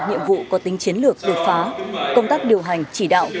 nhiệm vụ có tính chiến đấu